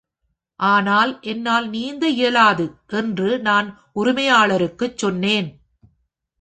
‘ஆனால், என்னால் நீந்த இயலாது' என்று நான் உரிமையாளருக்குச் சொன்னேன்.